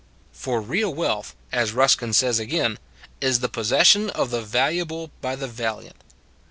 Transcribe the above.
For real wealth, as Ruskin says again, " is the possession of the valuable by the valiant."